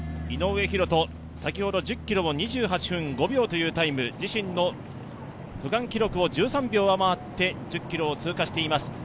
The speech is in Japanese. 井上大仁、先ほど１０ｋｍを２８分５秒というタイム、自身の区間記録を１３秒上回って１０ｋｍを通過しています。